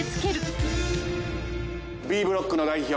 Ｂブロックの代表